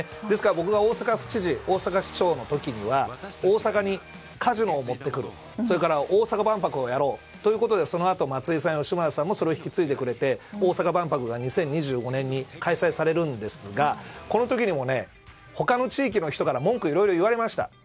ですから僕が大阪府知事大阪市長の時には大阪にカジノを持ってくるそれから大阪万博をやろうということでそのあと松井さん、吉村さんもそれを引き継いでくれて大阪万博が２０２５年に開催されるんですがこの時にもね、他の地域の人から文句をいろいろ言われました。